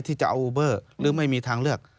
ที่จะเอาอูเบอร์หรือไม่มีทางเลือก